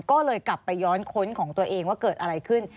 ก็เลยกลับไปย้อนค้นของตัวเองว่าเกิดอะไรขึ้น